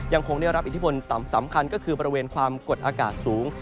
ยังคงได้รับอิทธิพลต่ำสำคัญก็คือบริเวณความกดอากาศสูง